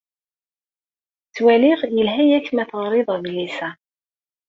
Ttwaliɣ yelha-ak ma teɣriḍ adlis-a.